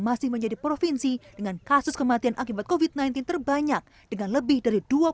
masih menjadi provinsi dengan kasus kematian akibat covid sembilan belas terbanyak dengan lebih dari